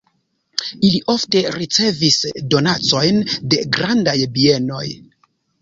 Ili ofte ricevis donacojn de grandaj bienoj.